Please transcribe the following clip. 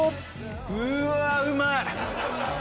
うわうまい！